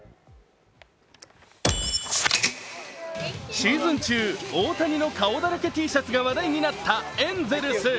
シーズン中、大谷の顔だらけＴシャツが話題になったエンゼルス。